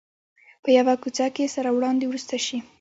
په یوه کوڅه کې سره وړاندې ورسته شي.